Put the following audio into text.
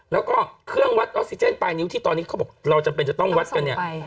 แล้วก็เครื่องวัดออกซิเจนปลายนิ้วที่ตอนนี้เขาบอกเราจำเป็นจะต้องวัดกันเนี่ย